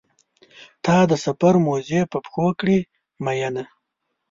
تا د سفر موزې په پښو کړې مینه.